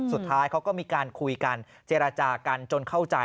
สุดท้ายเขาก็มีการคุยกันเจรจากันจนเข้าใจ